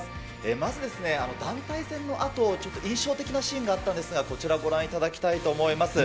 まずですね、団体戦のあと、ちょっと印象的なシーンがあったんですが、こちらをご覧いただきたいと思います。